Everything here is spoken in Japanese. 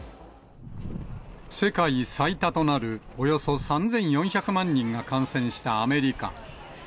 世界最多となる、およそ３４００万人が感染したアメリカ。